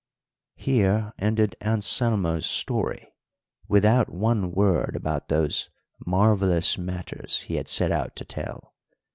Here ended Anselmo's story, without one word about those marvellous matters he had set out to tell.